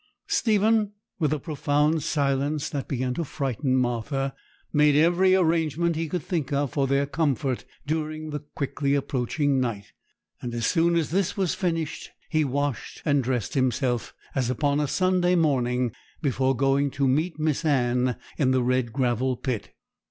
Stephen, with the profound silence that began to frighten Martha, made every arrangement he could think of for their comfort during the quickly approaching night; and as soon as this was finished, he washed and dressed himself, as upon a Sunday morning, before going to meet Miss Anne in the Red Gravel Pit.